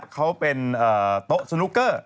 เขาเป็นโต๊ะสนุกเกอร์